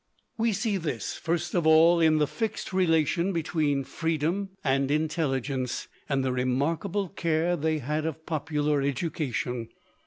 We see this, first of all, in the fixed relation between freedom and intelligence, and the remarkable care they had of popular education.